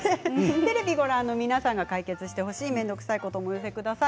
テレビをご覧の皆さんの解決してほしいめんどくさいこともお寄せください。